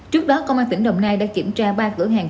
trước đó công an tỉnh đồng nai đã kiểm tra ba cửa hàng